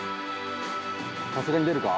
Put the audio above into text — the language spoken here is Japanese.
さすがに出るか？